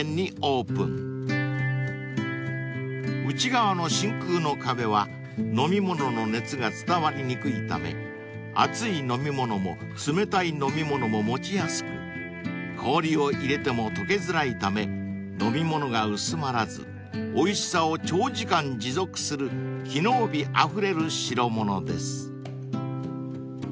［内側の真空の壁は飲み物の熱が伝わりにくいため熱い飲み物も冷たい飲み物も持ちやすく氷を入れても溶けづらいため飲み物が薄まらずおいしさを長時間持続する機能美あふれる代物です］